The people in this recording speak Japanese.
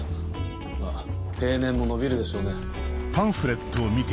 まぁ定年も延びるでしょうね。